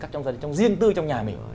trong gia đình trong riêng tư trong nhà mình